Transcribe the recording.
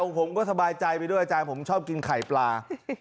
ผมก็สบายใจไปด้วยอาจารย์ผมชอบกินไข่ปลา